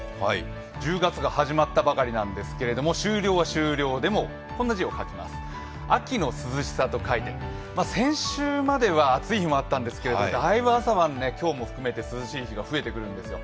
１０月が始まったばかりなんですが、しゅうりょうはしゅうりょうでも、こんな字を書きます、秋の涼しさと書いて、先週までは暑い日もあったんですけどだいぶ朝晩、今日も含めて涼しい日が増えてくるんですよ。